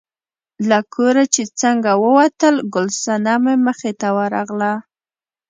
له کوره چې څنګه ووتل، ګل صنمې مخې ته ورغله.